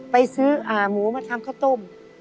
ไปซื้อหมูมาทำข้าวต้ม